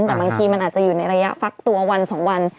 แต่บางทีมันอาจจะอยู่ในระยะฟักตัววัน๒วัน